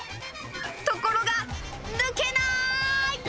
ところが、抜けない！